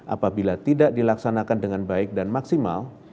apabila tidak dilaksanakan dengan baik dan maksimal